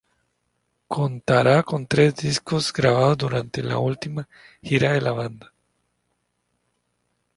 Contará con tres discos grabados durante la última gira de la banda.